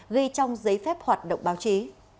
ghi trong giấy phép hoạt động báo chí